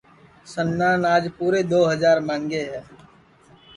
سنان آج پُورے دؔو ہجار ماںٚگے ہے